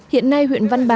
hiện nay huyện văn bàn